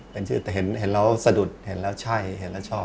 เป็นชื่อแต่เห็นแล้วสะดุดเห็นแล้วใช่เห็นแล้วชอบ